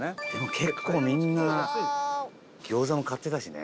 結構、みんな餃子も買ってたしね。